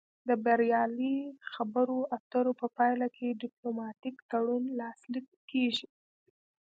د بریالۍ خبرو اترو په پایله کې ډیپلوماتیک تړون لاسلیک کیږي